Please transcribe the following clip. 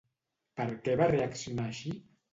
Per què va reaccionar així?